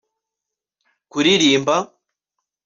kuririmba